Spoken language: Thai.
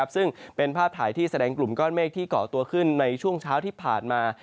ซึ่งเป็นภาพถ่ายที่แสดงกลุ่มก้อนเมฆที่เกาะตัวขึ้นในช่วงเช้าที่ผ่านมา